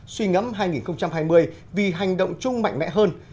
suy ngẫm hai nghìn hai mươi vì hành động chung mạnh mẽ hơn